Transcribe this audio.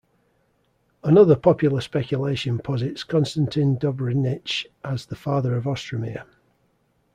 Another popular speculation posits Konstantin Dobrynich as the father of Ostromir.